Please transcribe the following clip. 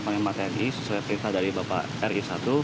dan dari tni sesuai perintah dari bapak ri satu